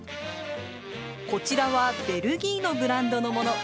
こちらはベルギーのブランドのもの。